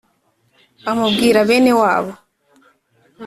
Amubwire bene wabo